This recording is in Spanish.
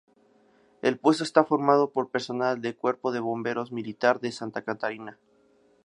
El puesto está formado por personal del Cuerpo de Bomberos Militar de Santa Catarina.